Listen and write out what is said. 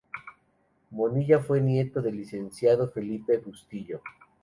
Bonilla fue nieto del licenciado Felipe Bustillo.